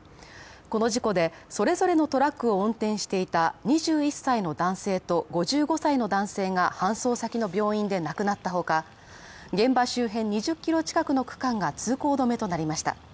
この事故でそれぞれのトラックを運転していた２１歳の男性と５５歳の男性が搬送先の病院で亡くなったほか、現場周辺２０ｋｍ近くの区間が通行止めとなりました。